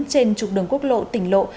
trên trục đường quốc lộ tỉnh lộ